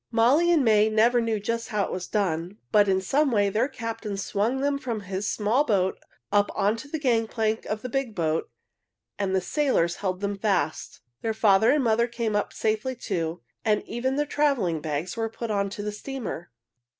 Molly and May never knew just how it was done, but in some way their captain swung them from his small boat up onto the gangplank of the big boat, and the sailors held them fast. Their father and mother came up safely, too, and even their traveling bags were put onto the steamer.